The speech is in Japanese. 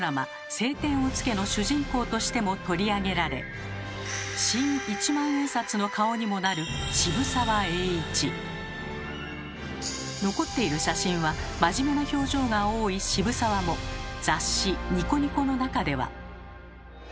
「青天を衝け」の主人公としても取り上げられ新一万円札の顔にもなる残っている写真は真面目な表情が多い渋沢も雑誌「ニコニコ」の中では。